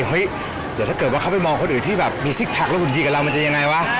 เฮ้ยเดี๋ยวถ้าเกิดว่าเขาไปมองคนอื่นที่แบบมีซิกแพคแล้วหุ่นดีกับเรามันจะยังไงวะ